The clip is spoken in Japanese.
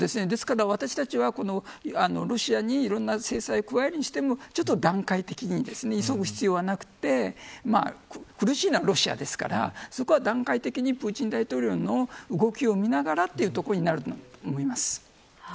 ですから、私たちはロシアにいろいろな制裁を加えるにしても段階的に急ぐ必要はなくて苦しいのはロシアですからそこは段階的にプーチン大統領の動きを見ながら、というところになると思います。